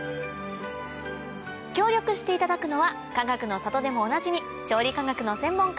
協力していただくのはかがくの里でもおなじみ調理科学の専門家